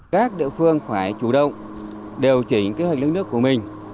các địa phương phải chủ động điều chỉnh kế hoạch lấy nước của mình